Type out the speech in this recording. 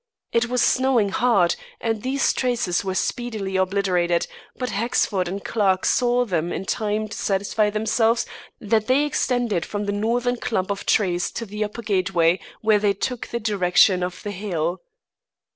It was snowing hard, and these traces were speedily obliterated, but Hexford and Clarke saw them in time to satisfy themselves that they extended from the northern clump of trees to the upper gateway where they took the direction of the Hill."